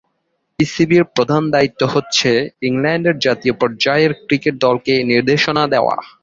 ইসিবি’র প্রধান দায়িত্ব হচ্ছে ইংল্যান্ডের জাতীয় পর্যায়ের ক্রিকেট দলকে নির্দেশনা দেয়া।